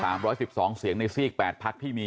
จาก๓๑๒เสียงในซีก๘พักที่มี